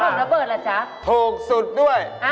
แล้วของระเบิดล่ะจ๊ะถูกสุดด้วย